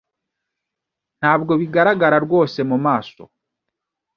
Ntabwo bigaragara rwose mumaso.